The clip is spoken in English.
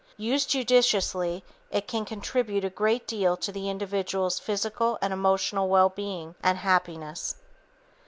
Used judiciously, it can contribute a great deal to the individual's physical and emotional well being and happiness.